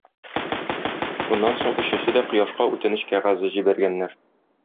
Шуннан соң өчесе дә Кояшка үтенеч кәгазе җибәргәннәр.